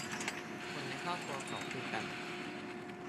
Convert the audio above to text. คนในครอบครัวเขาคุยกัน